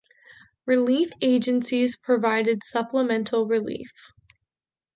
Relief agencies provided supplemental relief.